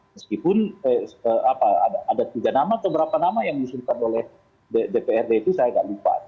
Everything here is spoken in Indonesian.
meskipun ada tiga nama atau berapa nama yang disusulkan oleh dprd itu saya tidak lupa